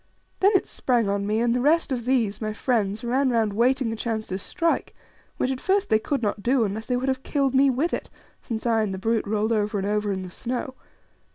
Then it sprang on me, and the rest of these, my friends, ran round waiting a chance to strike, which at first they could not do unless they would have killed me with it, since I and the brute rolled over and over in the snow.